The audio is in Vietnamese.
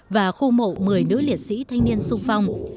và khu mộ một mươi nữ liệt sĩ thanh niên sung phong